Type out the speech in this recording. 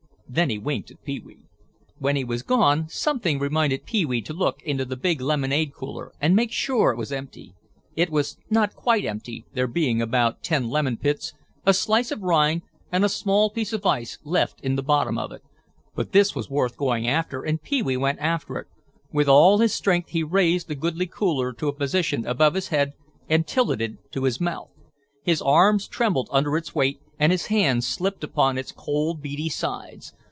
Then he winked at Pee wee. When he was gone something reminded Pee wee to look into the big lemonade cooler and make sure that it was empty. It was not quite empty, there being about ten lemon pits, a slice of rind, and a small piece of ice left in the bottom of it. But this was worth going after and Pee wee went after it. With all his strength he raised the goodly cooler to a position above his head and tilted it to his mouth. His arms trembled under its weight, and his hands slipped upon its cold, beady sides.